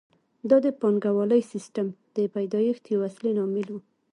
دا د پانګوالي سیسټم د پیدایښت یو اصلي لامل وو